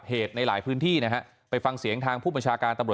ในหลายพื้นที่นะฮะไปฟังเสียงทางผู้บัญชาการตำรวจ